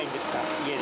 家で。